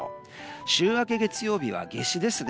週明け、月曜日は夏至ですね。